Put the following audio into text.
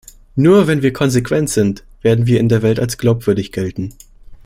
Nur wenn wir konsequent sind, werden wir in der Welt als glaubwürdig gelten.